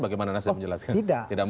bagaimana nasdem menjelaskan tidak